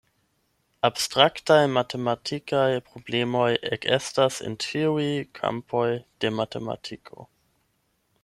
Abstraktaj matematikaj problemoj ekestas en ĉiuj kampoj de matematiko.